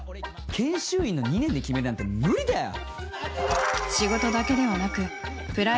研修医の２年で決めるなんて無理だよ！